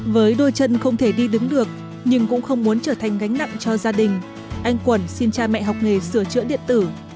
với đôi chân không thể đi đứng được nhưng cũng không muốn trở thành gánh nặng cho gia đình anh quẩn xin cha mẹ học nghề sửa chữa điện tử